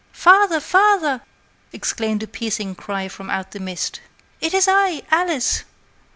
"'Father? father!' exclaimed a piercing cry from out the mist; 'it is I! Alice!